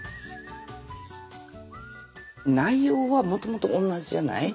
内容はもともと同じじゃない？